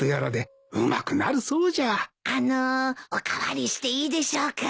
あのうお代わりしていいでしょうか？